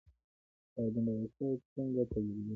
کاربن ډای اکساید څنګه تولیدیږي.